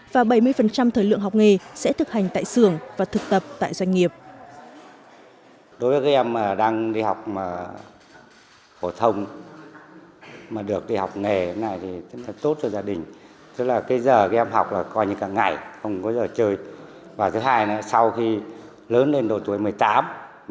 và bảy mươi thời lượng học nghề sẽ thực hành tại xưởng và thực tập tại doanh nghiệp